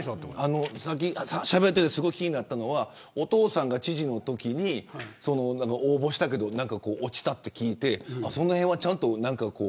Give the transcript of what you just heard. しゃべって気になったのはお父さんが知事のときに応募したけど落ちたって聞いてそのへんは、ちゃんと。